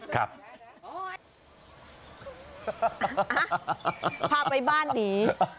พาไปบ้านหนี